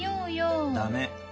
駄目。